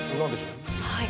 はい。